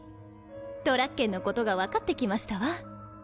ドラッケンのことが分かってきましたわ。